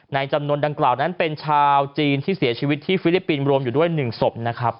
จำนวนดังกล่าวนั้นเป็นชาวจีนที่เสียชีวิตที่ฟิลิปปินส์รวมอยู่ด้วย๑ศพนะครับ